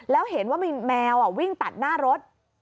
แล้วเห็นว่ามีแมววิ่งตัดหน้ารถ